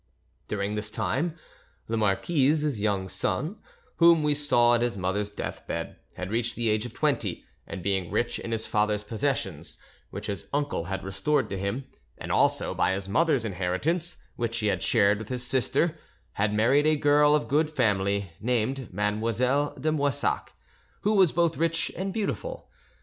During this time the marquise's young son, whom we saw at his mother's deathbed, had reached the age of twenty, and being rich in his father's possessions—which his uncle had restored to him—and also by his mother's inheritance, which he had shared with his sister, had married a girl of good family, named Mademoiselle de Moissac, who was both rich and beautiful.